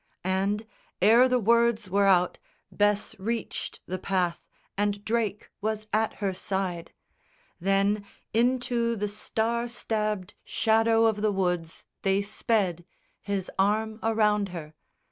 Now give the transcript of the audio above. And ere the words were out Bess reached the path, and Drake was at her side. Then into the star stabbed shadow of the woods They sped, his arm around her.